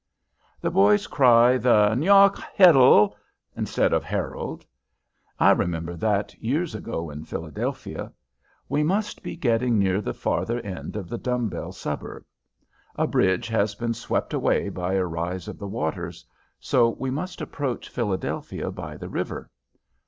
The boys cry the "N' York Heddle," instead of "Herald"; I remember that years ago in Philadelphia; we must be getting near the farther end of the dumb bell suburb. A bridge has been swept away by a rise of the waters, so we must approach Philadelphia by the river.